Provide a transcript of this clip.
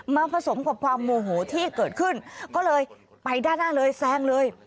ผสมกับความโมโหที่เกิดขึ้นก็เลยไปด้านหน้าเลยแซงเลย